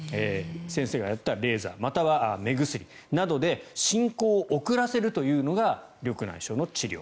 先生がやったレーザー、または目薬で進行を遅らせるというのが緑内障の治療。